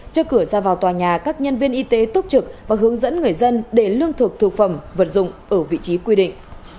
trước cửa ra vào tòa nhà các nhân viên y tế túc trực và hướng dẫn người dân để lương thực thực phẩm vật dụng ở vị trí quy định